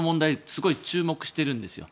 すごく注目してるんですよ。